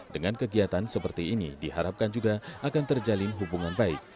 dengan kegiatan seperti ini diharapkan juga akan terjalin hubungan baik